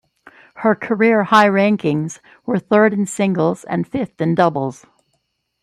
Her career high rankings were third in singles and fifth in doubles.